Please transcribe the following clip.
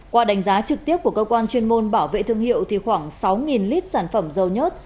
qua đánh giá trực tiếp của cơ quan chuyên môn bảo vệ thương hiệu thì khoảng sáu lít sản phẩm dầu nhớt